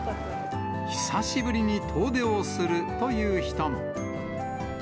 久しぶりに遠出をするという人も。